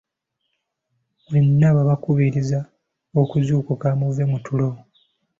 Mwenna babakubiriza okuzuukuka muve mu tulo.